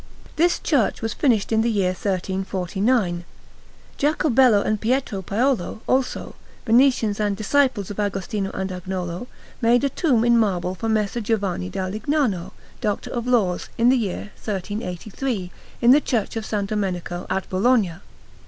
This church was finished in the year 1349. Jacobello and Pietro Paolo, also, Venetians and disciples of Agostino and Agnolo, made a tomb in marble for Messer Giovanni da Lignano, Doctor of Laws, in the year 1383, in the Church of S. Domenico at Bologna.